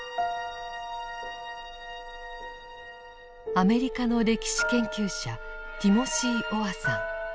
アメリカの歴史研究者ティモシー・オアさん。